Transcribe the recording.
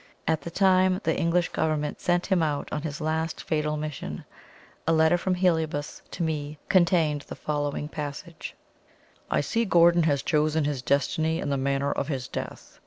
At the time the English Government sent him out on his last fatal mission, a letter from Heliobas to me contained the following passage: "I see Gordon has chosen his destiny and the manner of his death.